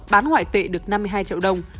bán ngoại tệ được năm mươi hai triệu đồng